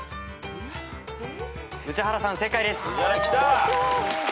宇治原さん正解です。